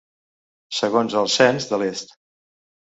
Segons el cens de l'est.